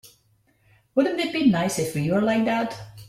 Wouldn't it be nice if we were like that?